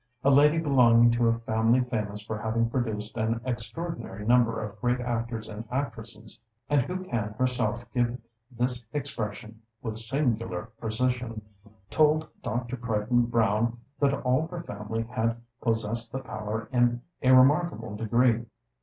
A lady belonging to a family famous for having produced an extraordinary number of great actors and actresses, and who can herself give this expression "with singular precision," told Dr. Crichton Browne that all her family had possessed the power in a remarkable degree.